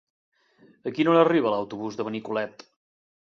A quina hora arriba l'autobús de Benicolet?